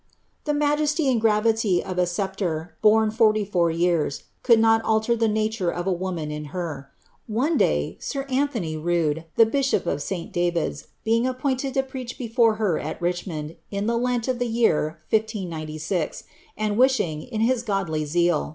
The majesty and gravity of a sceptre, borne foriv I'our j'ears,' could not alier the nature of a woman in lier. One day. Dr. Authonv Rudde. die bi shop of Si. David's, being appointed to preach before her at Richmoiiii. in the Lent of the year 159G, and wishing, in his godly leai.